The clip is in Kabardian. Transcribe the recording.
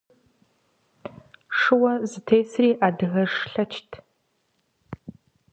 Шыуэ зытесри адыгэш лъэчт.